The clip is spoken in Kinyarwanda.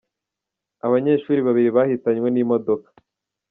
Abanyeshuri babiri bahitanywe n’imodoka